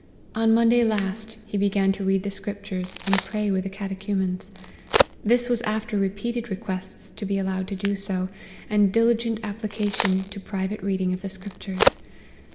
On Monday last, he began to read the Scriptures, and pray with the Catechumens. This was after repeated requests to be allowed to do so, and diligent application to private reading of the Scriptures.